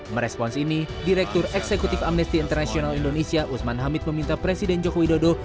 merespons ini direktur eksekutif amnesty international indonesia usman hamid meminta presiden joko widodo